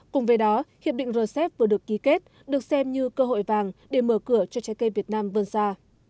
cùng với đó hiệp định rcep vừa được ký kết được xem như cơ hội vàng để mở cửa cho trái cây việt nam vươn xa